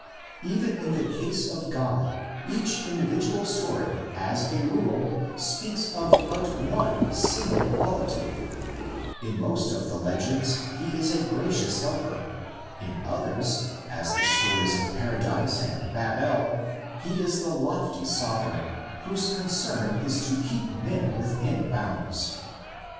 Even in the case of God each individual story as a rule speaks of but one single quality: in most of the legends he is the gracious helper, in others, as the stories of Paradise and Babel, he is the lofty sover eign whose concern is to keep men within bounds.